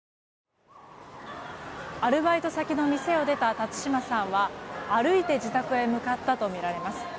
アルバイト先の店を出た辰島さんは歩いて自宅へ向かったとみられます。